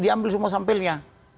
ambil semua sampelnya